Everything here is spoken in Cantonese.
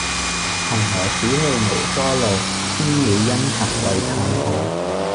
蓬萊此去無多路，青鳥殷勤為探看。